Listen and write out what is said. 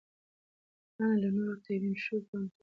پاڼه له نورو تویو شوو پاڼو سره توپیر لري.